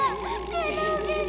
ベロベロ。